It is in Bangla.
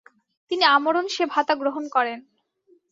তিনি আমরণ সে ভাতা গ্রহণ করেন।